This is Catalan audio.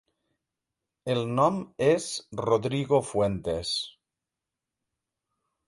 El nom és Rodrigo Fuentes.